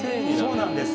そうなんです。